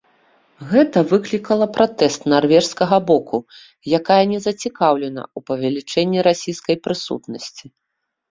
Гэта выклікала пратэст нарвежскага боку, якая не зацікаўлена ў павелічэнні расійскай прысутнасці.